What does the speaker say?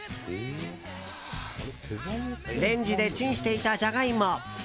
レンジでチンしていたジャガイモ。